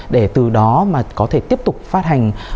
để từ đó mà có thể tiếp tục phát hành